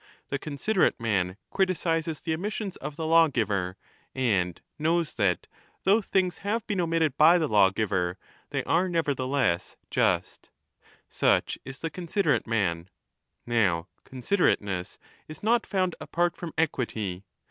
The considerate man criticizes the omissions of the lawgiver, and knows that, though things have been omitted by the lawgiver, they are nevertheless 1199^ just. Such is the considerate man. Now considerateness is not found apart from equity.